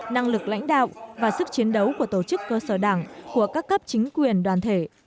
năng lực lãnh đạo và sức chiến đấu của tổ chức cơ sở đảng của các cấp chính quyền đoàn thể